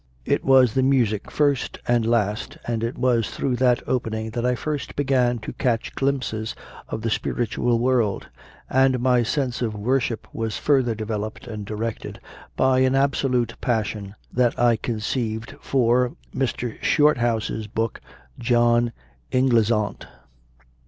It was the music, first and last, and it was through that opening that I first began to catch glimpses of the spiritual world; and my sense of worship was further developed and directed by an absolute passion that 24 CONFESSIONS OF A CONVERT I conceived for Mr. Shorthouse s book, "John Inglesant."